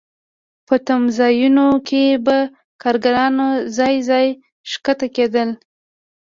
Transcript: په تمځایونو کې به کارګران ځای ځای ښکته کېدل